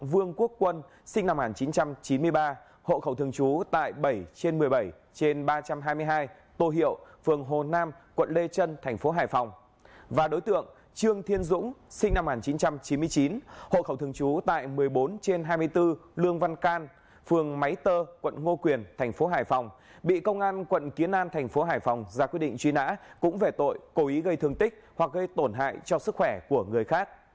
lê đức cường sinh năm một nghìn chín trăm chín mươi ba hội khẩu thường trú tại bảy trên một mươi bảy trên ba trăm hai mươi hai tô hiệu phường hồ nam quận lê trân thành phố hải phòng và đối tượng trương thiên dũng sinh năm một nghìn chín trăm chín mươi chín hội khẩu thường trú tại một mươi bốn trên hai mươi bốn lương văn can phường máy tơ quận ngô quyền thành phố hải phòng bị công an quận kiến an thành phố hải phòng ra quyết định truy nã cũng về tội cố ý gây thương tích hoặc gây tổn hại cho sức khỏe của người khác